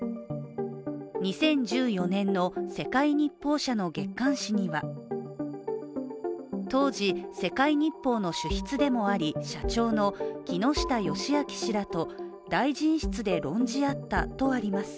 ２０１４年の世界日報社の月刊誌には当時、世界日報の主筆でもあり社長の木下義昭氏らと大臣室で論じ合ったといいます。